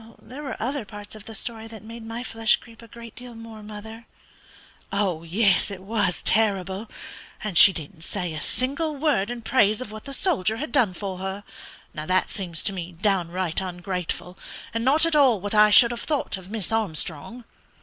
"There were other parts of the story that made my flesh creep a great deal more, mother." "Yes, it was terrible! And she didn't say a single word in praise of what the soldier had done for her. Now that seems to me downright ungrateful, and not at all what I should have thought of Miss Armstrong."